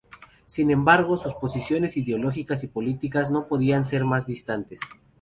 Sin embargo, sus posiciones ideológicas y políticas no podían ser más distantes.